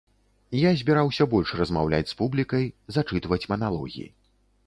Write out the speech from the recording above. Я збіраўся больш размаўляць з публікай, зачытваць маналогі.